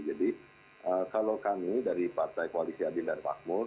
jadi kalau kami dari partai koalisi adil dan makmur